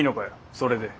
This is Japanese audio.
それで。